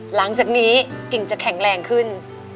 หลังจากนี้กิ่งจะแข็งแรงขึ้น